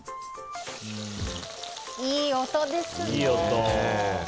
いい音ですね。